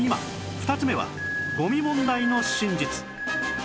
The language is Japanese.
２つ目はゴミ問題の真実